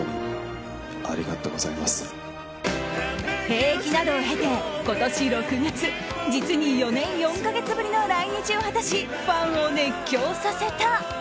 兵役などを経て、今年６月実に４年４か月ぶりの来日を果たしファンを熱狂させた。